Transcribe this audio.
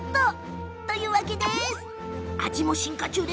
味も進化中。